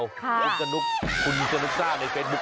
ลูกกระนุ๊กคุณจนุษฎ่าในเฟสบุร์ก